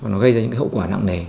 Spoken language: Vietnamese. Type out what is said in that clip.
nó gây ra những hậu quả nặng nề